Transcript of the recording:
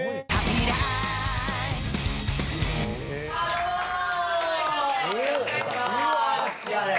よろしくお願いします。